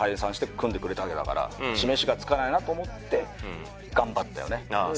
組んでくれたわけだから示しがつかないなと思って頑張ったよねああ